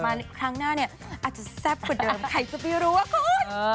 ครั้งหน้าเนี่ยอาจจะแซ่บกว่าเดิมใครจะไม่รู้ว่าคุณ